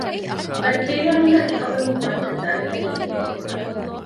އަދި ފިރިހެނުންނަށް އެކަންބަލުންގެ މައްޗަށް ދަރަޖައެއް ލިބިގެންވެ